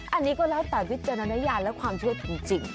อันนี้ก็แล้วแต่วิจารณญาณและความเชื่อจริง